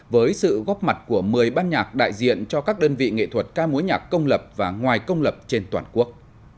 với sự góp mặt của một mươi ban nhạc đại diện cho các đơn vị nghệ thuật ca mối nhạc công lập và ngoài công lập trên toàn quốc